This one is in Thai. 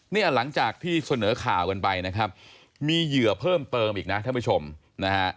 เนี่ยหลังจากที่เสนอข่าวกันไปนะครับมีเหยื่อเพิ่มเติมอีกนะท่านผู้ชมนะฮะ